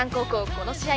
この試合